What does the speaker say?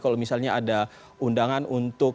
kalau misalnya ada undangan untuk